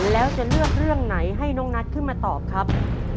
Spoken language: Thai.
แล้วจะเลือกเรื่องไหนให้น้องนัทขึ้นมาตอบครับ